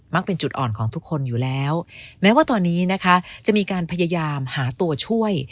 เป็นจุดอ่อนของทุกคนอยู่แล้วแม้ว่าตอนนี้นะคะจะมีการพยายามหาตัวช่วย